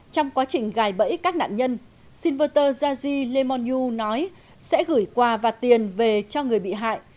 trong quá trình gài bẫy các nạn nhân shinberter zaji lemonyu nói sẽ gửi quà và tiền về cho người bị hại